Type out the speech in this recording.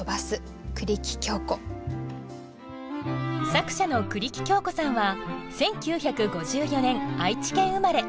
作者の栗木京子さんは１９５４年愛知県生まれ。